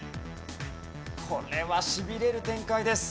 これはしびれる展開です。